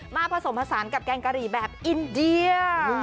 ผสมผสานกับแกงกะหรี่แบบอินเดีย